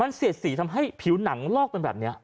มันเสียดสีทำให้ผิวหนังลอกเป็นแบบนี้